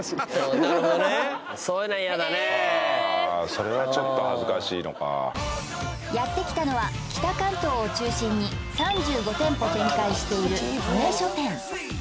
それはちょっと恥ずかしいのかやってきたのは北関東を中心に３５店舗展開している利根書店